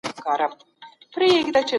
د ورېښمو د تبادلې لپاره مرکزي بازار چیرته و؟